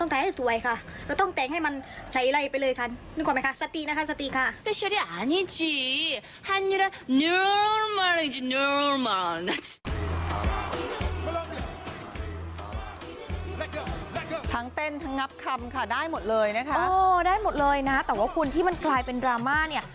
เต้นทั้งงับคำค่ะได้หมดเลยนะคะได้หมดเลยนะแต่ว่าคุณที่มันกลายเป็นดราม่าเนี่ย